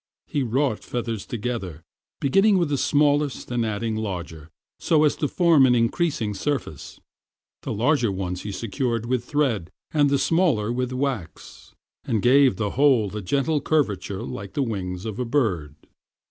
He wrought feathers together, beginning with the smallest and adding larger, so as to form an increasing surface. The larger ones he secured with thread and the smaller with wax, and gave the whole a gentle curvature like the wings of a bird.